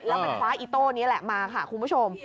แล้วไปคว้าอีโต้นี้แหละมาค่ะคุณผู้ชม